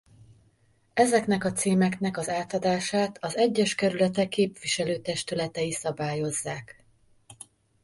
Ezeknek a címeknek az átadását az egyes kerületek képviselő-testületei szabályozzák.